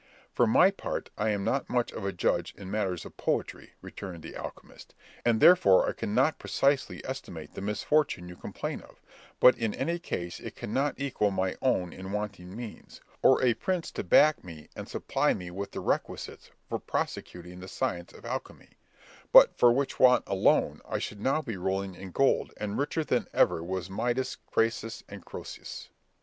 "For my part, I am not much of a judge in matters of poetry," returned the alchemist, "and therefore I cannot precisely estimate the misfortune you complain of; but in any case it cannot equal my own in wanting means, or a prince to back me and supply me with the requisites, for prosecuting the science of alchemy; but for which want alone I should now be rolling in gold, and richer than ever was Midas, Crassus, or Croesus."